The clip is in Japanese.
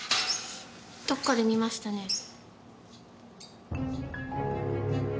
どっかで見ましたね。